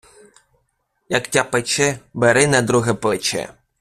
Як тя пече, бери на друге плече!